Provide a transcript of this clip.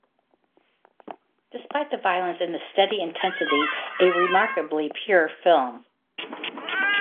Despite the violence and the steady intensity, a remarkably pure film.